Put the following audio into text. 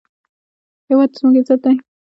هېواد زموږ عزت دی